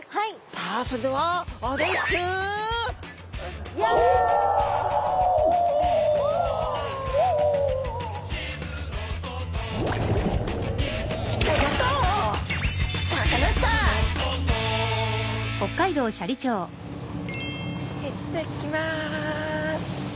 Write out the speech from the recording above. さあそれでは行ってきます！